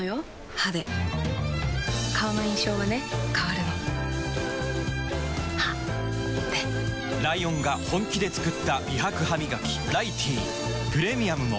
歯で顔の印象はね変わるの歯でライオンが本気で作った美白ハミガキ「ライティー」プレミアムも